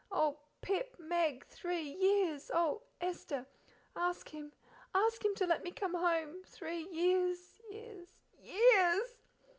Oh, Pip, Meg, three years! oh, Esther! ask him, ask him to let me come home! Three years years years!"